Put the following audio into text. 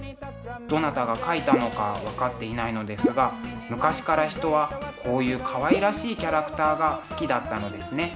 どなたが描いたのか分かっていないのですが昔から人はこういうかわいらしいキャラクターが好きだったのですね。